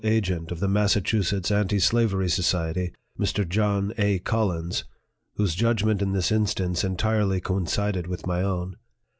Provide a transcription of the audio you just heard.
Agent of the Massachusetts Anti Slavery Society, Mr, JOHN A. COLLINS, whose judgment in this instance en tirely coincided with my own.